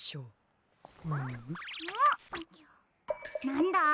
なんだ？